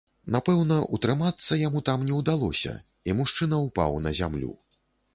Напэўна, утрымацца яму там не ўдалося, і мужчына ўпаў на зямлю.